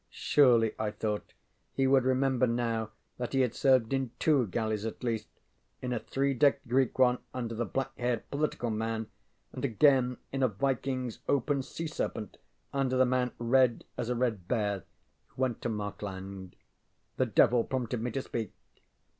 ŌĆØ Surely, I thought he would remember now that he had served in two galleys at least in a three decked Greek one under the black haired ŌĆ£political man, ŌĆØ and again in a VikingŌĆÖs open sea serpent under the man ŌĆ£red as a red bearŌĆØ who went to Markland. The devil prompted me to speak.